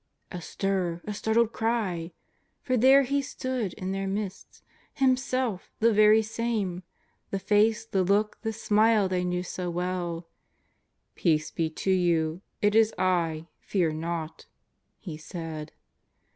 A stir; a startled cry! For there He stood in their midst — Himself, the very same; the face, the look, the smile they knew so well. *' Peace be to you ; it is I, fear not," He said.